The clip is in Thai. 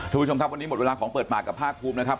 คุณผู้ชมครับวันนี้หมดเวลาของเปิดปากกับภาคภูมินะครับ